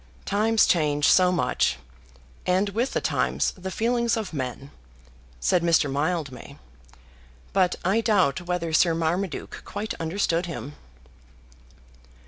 "Times change so much, and with the times the feelings of men," said Mr. Mildmay. But I doubt whether Sir Marmaduke quite understood him.